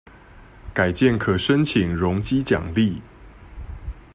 改建可申請容積獎勵